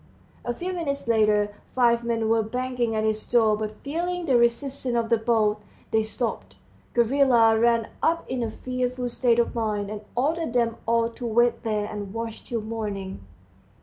A few minutes later five men were banging at his door, but feeling the resistance of the bolt, they stopped. Gavrila ran up in a fearful state of mind, and ordered them all to wait there and watch till morning.